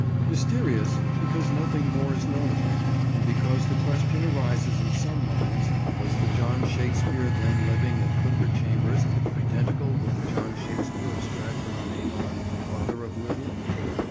"Mysterious" because nothing more is known of him, and because the question arises in some minds, "Was the John Shakespeare then living at Clifford Chambers identical with the John Shakespeare of Stratford on Avon, father of William?